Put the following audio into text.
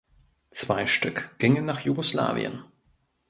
Zwei Stück gingen nach Jugoslawien.